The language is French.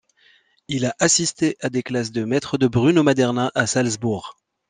Il a assisté à des classes de maître de Bruno Maderna à Salzbourg.